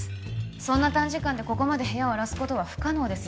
そんな短時間でここまで部屋を荒らすことは不可能です